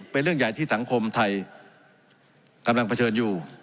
เป็นเรื่องใหญ่ที่สังคมไทยกำลังเผชิญอยู่